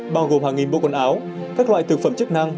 bao gồm hàng nghìn bộ quần áo các loại thực phẩm chức năng